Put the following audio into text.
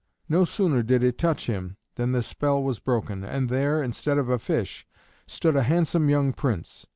No sooner did it touch him than the spell was broken, and there, instead of a fish, stood a handsome young Prince.